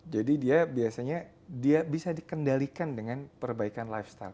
jadi dia biasanya dia bisa dikendalikan dengan perbaikan lifestyle